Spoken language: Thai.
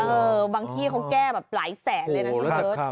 เออบางที่เค้าแก้แบบหลายแสนเลยนะ